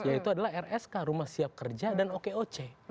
yaitu adalah rsk rumah siap kerja dan okoc